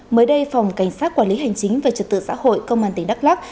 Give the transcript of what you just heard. mới đây phòng cảnh sát quản lý hành chính và trật tự xã hội công an tỉnh đắk lắk